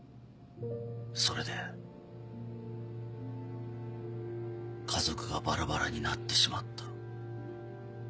それで家族がバラバラになってしまった。